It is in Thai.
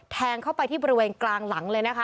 แทงเข้าไปที่บริเวณกลางหลังเลยนะคะ